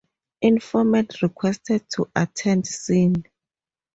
Informant requested to attend scene.